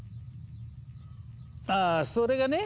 ああそれがね